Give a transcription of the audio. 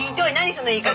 その言い方。